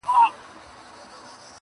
ټول لګښت دي درکومه نه وېرېږم٫